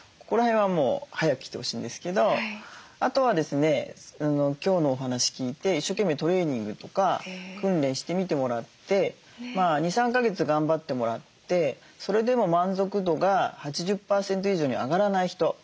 ここら辺はもう早く来てほしいんですけどあとはですね今日のお話聞いて一生懸命トレーニングとか訓練してみてもらって２３か月頑張ってもらってそれでも満足度が８０％以上に上がらない人。